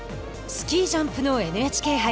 スキージャンプのＮＨＫ杯。